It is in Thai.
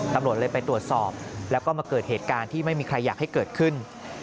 ตำรวจเลยไปตรวจสอบแล้วก็มาเกิดเหตุการณ์ที่ไม่มีใครอยากให้เกิดขึ้น